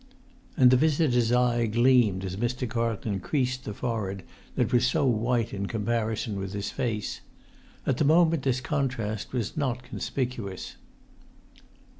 And the visitor's eye gleamed as Mr. Carlton creased the forehead that was so white in comparison with his face: at the moment this contrast was not conspicuous.